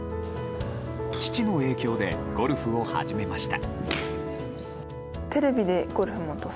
父の影響でゴルフを始めました。